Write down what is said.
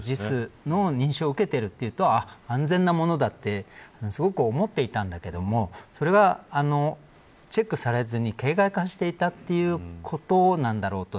ＪＩＳの認証を受けていると安全なものだってすごく思っていたんだけどもそれがチェックされずに形骸化していたということなんだろうと。